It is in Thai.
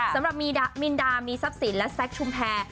สำหรับมินดามีทรัพย์สินและแซคชุมแพร